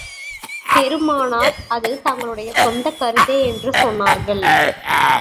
பெருமானார், அது தங்களுடைய சொந்தக் கருத்தே என்று சொன்னார்கள்.